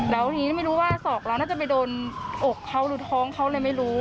แล้วทีนี้ไม่รู้ว่าศอกเราน่าจะไปโดนอกเขาหรือท้องเขาเลยไม่รู้